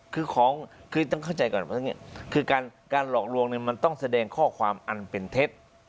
คือของคือต้องเข้าใจก่อนคือการหลอกลวงเนี่ยมันต้องแสดงข้อความอันเป็นเท็จ